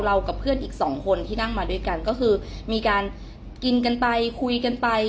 กับเพื่อนอีกสองคนที่นั่งมาด้วยกันก็คือมีการกินกันไปคุยกันไป